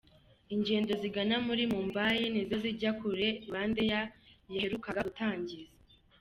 Ingendo zigana muri Mumbai nizo zijya kure Rwandair yaherukaga gutangiza.